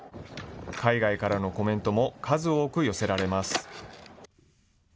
海外からのコメントも数多く寄せられます。